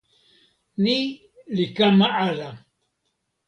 ni li kama ala!